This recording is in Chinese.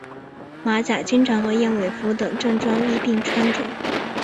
马甲经常和燕尾服等正装一并穿着。